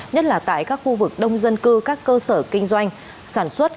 nhất là tại các khu vực đông dân cư các cơ sở kinh doanh